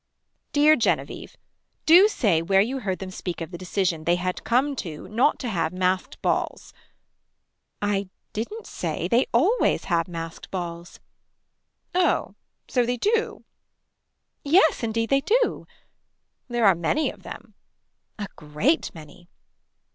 Dear Genevieve. Do say where you heard them speak of the decision they had come to not to have masked balls. I didn't say. They always have masked balls. Oh so they do. Yes indeed they do. There are many of them. A great many.